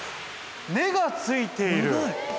根が付いている。